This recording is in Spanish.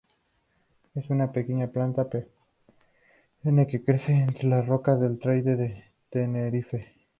Es una pequeña planta perenne que crece entre las rocas del Teide en Tenerife.